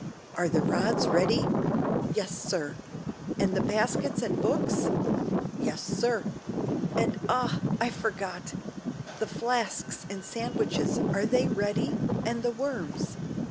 Are the rods ready?" "Yes, sir." "And the baskets and books?" "Yes, sir." "And, ah! I forgot the flasks and sandwiches are they ready, and the worms?"